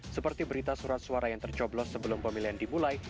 seperti berita surat suara yang tercoblos sebelum pemilihan dimulai